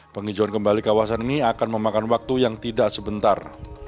penghijauan kembali kawasan ini akan memakan waktu yang tidak sebentar